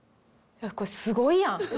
これすごいやん。